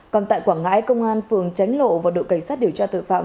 còn tại quảng ngãi công an phường tránh lộ và đội cảnh sát điều tra tội phạm